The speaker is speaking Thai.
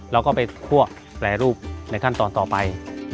เราก็ไปคั่วแปลรูปในท่านตอนต่อไป